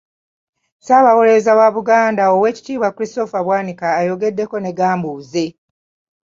Ssaabawolerereza wa Buganda Oweekitiibwa Christopher Bwanika ayogeddeko ne Gambuuze.